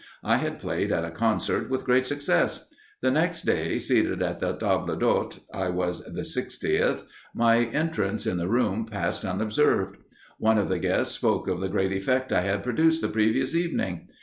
I had played at a concert with great success. The next day, seated at the table d'hôte (I was the sixtieth) my entrance in the room passed unobserved. One of the guests spoke of the great effect I had produced the previous evening.